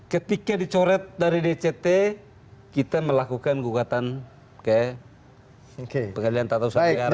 ketika dicoret dari dct kita melakukan gugatan ke pengadilan tata usaha negara